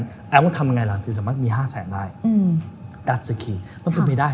ก็ต้องทำยังไงหล่ะถือสามารถมี๕แสนได้